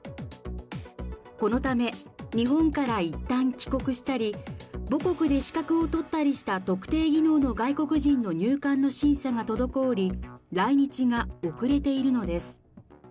このため、日本から一旦帰国したり母国で資格を取ったりした特定技能の外国人の入管の審査が滞り、来日が遅れているのです。